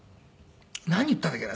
何言ったんだっけな。